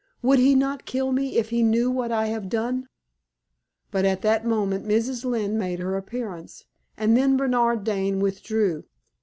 Would he not kill me if he knew what I have done?" But at that moment Mrs. Lynne made her appearance, and then Bernard Dane withdrew.